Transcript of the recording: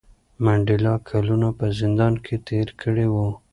منډېلا کلونه په زندان کې تېر کړي وو.